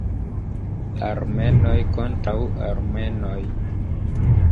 Armenoj kontraŭ Armenoj.